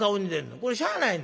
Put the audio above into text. これしゃあないの。